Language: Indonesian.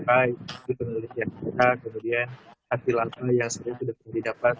penulis yang kita kemudian hasil apa yang sebenarnya sudah pernah didapat